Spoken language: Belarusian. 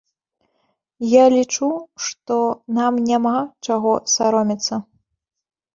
Я лічу, што нам няма чаго саромецца.